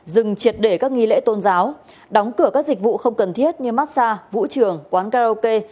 dừng triệt để các nghi lễ tôn giáo đóng cửa các dịch vụ không cần thiết như massage vũ trường quán karaoke